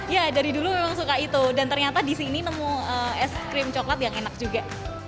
ya dari dulu memang suka itu dan ternyata disini nemu ice cream coklat yang enak juga